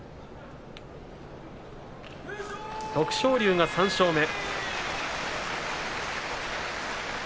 徳勝龍が３勝目。